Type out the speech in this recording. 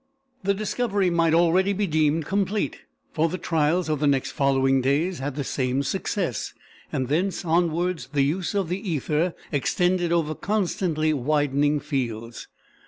The discovery might already be deemed complete, for the trials of the next following days had the same success, and thence onwards the use of the ether extended over constantly widening fields.